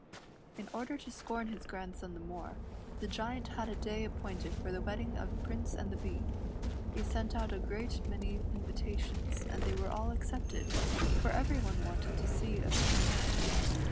In order to scorn his grandson the more, the Giant had a day appointed for the wedding of Prince and the Bee. He sent out a great many invitations, and they were all accepted, for every one wanted to see a Bee married.